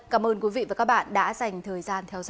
cảm ơn quý vị và các bạn đã dành thời gian theo dõi